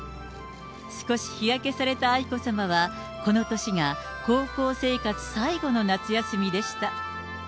少し日焼けされた愛子さまは、この年が高校生活最後の夏休みでした。